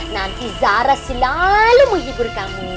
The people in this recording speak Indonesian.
nanti zara selalu menghibur kami